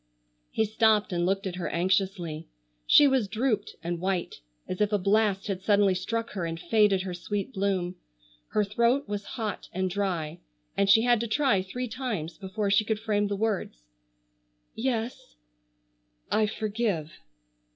He stopped and looked at her anxiously. She was drooped and white as if a blast had suddenly struck her and faded her sweet bloom. Her throat was hot and dry and she had to try three times before she could frame the words, "Yes, I forgive."